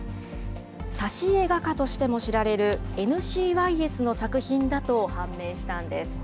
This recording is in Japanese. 挿絵画家としても知られるＮ・Ｃ・ワイエスの作品だと判明したんです。